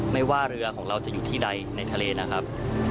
ไม่ว่าเรือของเราจะอยู่ที่ใดในทะเลนะครับ